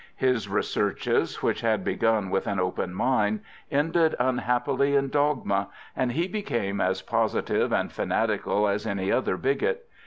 His researches, which had begun with an open mind, ended unhappily in dogma, and he became as positive and fanatical as any other bigot.